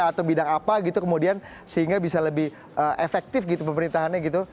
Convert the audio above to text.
atau bidang apa gitu kemudian sehingga bisa lebih efektif gitu pemerintahannya gitu